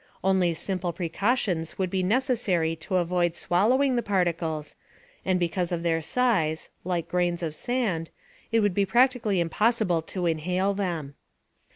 Only simple precautions would be necessary to avoid swallowing the particles, and because of their size (like grains of sand) it would be practically impossible to inhale them.